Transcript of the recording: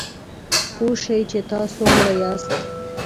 پوه شئ چې تاسو مړه یاست .